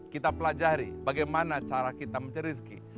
kita pelajari bagaimana cara kita mencari rezeki